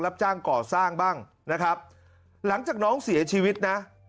รับจ้างก่อสร้างบ้างนะครับหลังจากน้องเสียชีวิตนะ